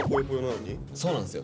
そうなんですよ。